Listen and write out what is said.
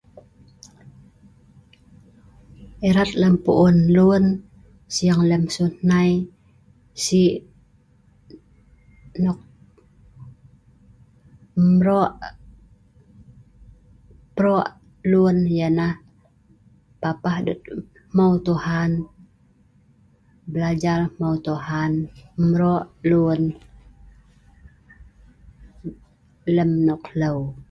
erat lem pu'un lun, sing lem siu hnai, si' nok embro' prok lun yah nah, papah dut mheu Tuhan, blajar mheu Tuhan, embro lun lem nok hleu